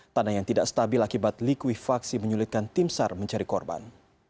tanah yang tidak stabil akibat likuifaksi menyulitkan tim sar mencari korban